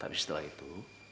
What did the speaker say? tapi setelah itu